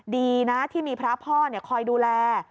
ดีนะที่มีพระพ่อคอยดูแล